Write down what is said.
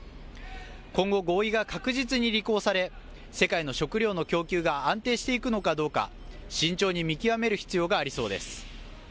今後、合意が確実に履行され、世界の食料の供給が安定していくのかどうか、慎重に見極める必要がありそうです。